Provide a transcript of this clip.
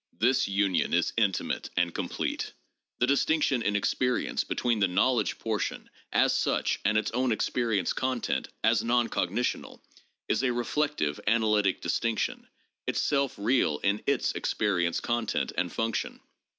This union is intimate and complete. The distinction in experience between the knowledge por tion, as such, and its own experienced context, as non cognitional, is a reflective, analytic distinction— itself real in its experienced content and function.